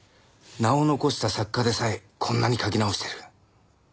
名を残した作家でさえこんなに書き直している。